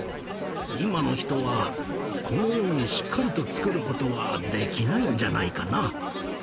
今の人はこのようにしっかりとつくることはできないんじゃないかな。